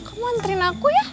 kamu anterin aku ya